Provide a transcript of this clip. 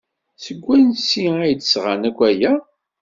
Seg wansi ay d-sɣan akk aya?